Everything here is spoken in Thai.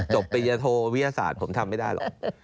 ปริญญโทวิทยาศาสตร์ผมทำไม่ได้หรอก